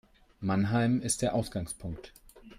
Mannheim ist der Ausgangpunkt